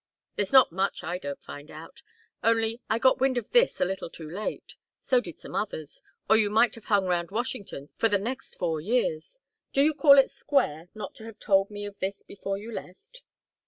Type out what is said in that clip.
"There's not much I don't find out. Only, I got wind of this a little too late. So did some others, or you might have hung round Washington for the next four years. Do you call it square not to have told me of this before you left?"